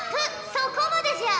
そこまでじゃ！